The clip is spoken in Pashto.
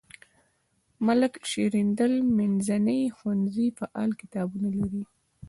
ملک شیریندل منځنی ښوونځی فعال کتابتون لري.